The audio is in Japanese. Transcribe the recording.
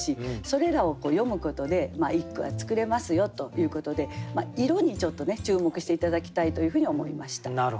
それらを詠むことで一句は作れますよということで色にちょっと注目して頂きたいというふうに思いました。